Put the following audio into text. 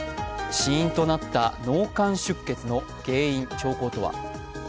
死因となった脳幹出血の原因、兆候とは。